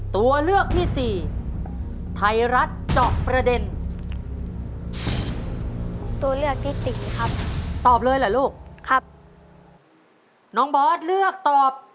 ตัวเลือกที่๔ไทรัตเจาะประเด็น